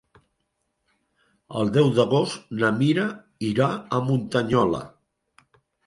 El deu d'agost na Mira irà a Muntanyola.